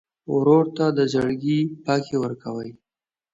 ورور ته د زړګي پاکي ورکوې.